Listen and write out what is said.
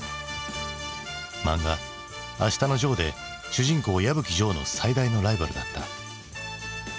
漫画「あしたのジョー」で主人公矢吹丈の最大のライバルだった。